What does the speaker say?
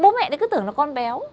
bố mẹ nó cứ tưởng là con béo